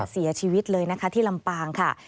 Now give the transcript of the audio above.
เสียชีวิตเลยนะคะที่ลำปางค่ะ